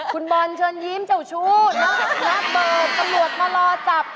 คุณบอลเชิญยิ้มเจ้าชู้นักเบิกตำรวจมารอจับ